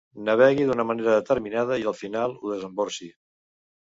Navegui d'una manera determinada i, al final, ho desemborsi.